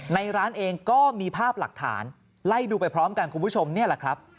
ในร้านเองก็มีภาพหลักฐานไล่ดูไปพร้อมกันคุณผู้ชมนี่แหละครับ